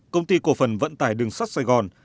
công ty cổ phần vận tải đường sắt sài gòn